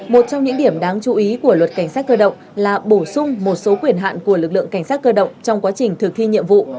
một trong những điểm đáng chú ý của luật cảnh sát cơ động là bổ sung một số quyền hạn của lực lượng cảnh sát cơ động trong quá trình thực thi nhiệm vụ